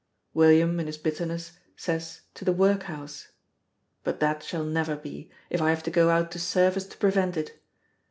William, in his bitterness, says to the workhouse; but that shall never be, if I have to go out to service to prevent it.